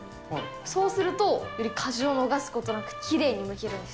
そうすると、より果汁を逃すことなくきれいにむけるんです。